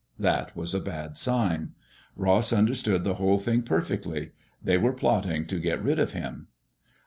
That was a bad sign. Ross understood the whole thing perfectly. They were plotting to get rid of him.